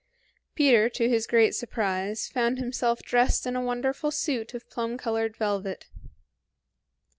Peter, to his great surprise, found himself dressed in a wonderful suit of plum colored velvet.